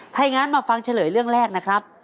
ถ้าอย่างนั้นมาฟังเฉลยเรื่องแรกนะครับ